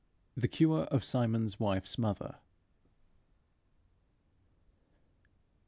THE CURE OF SIMON'S WIFE'S MOTHER.